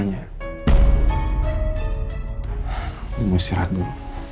gue mau istirahat dulu